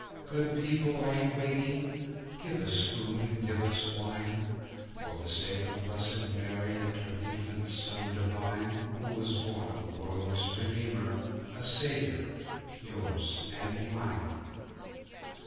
Good people, are you waking? Give us food and give us wine, For the sake of blessed Mary And her Infant Son Divine, Who was born the world's Redeemer— A Saviour—yours and mine!